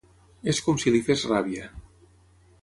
És com si li fes ràbia.